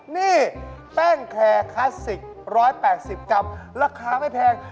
นี่แป้งแคร์คลาสสิก๑๘๐กรัมราคาไม่แพง